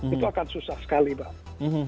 itu akan susah sekali pak